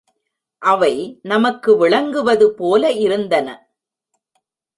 அவை நமக்கு விளங்குவதுபோல இருந்தன.